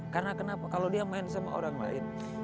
karena kenapa kalau dia main sama orang lain